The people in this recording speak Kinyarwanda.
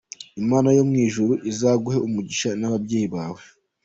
Imana yo mu ijuru izaguhe umugisha n’ababyeyi bawe.